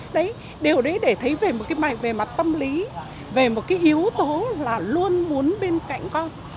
điều đấy để thấy về mặt tâm lý về một yếu tố là luôn muốn bên cạnh con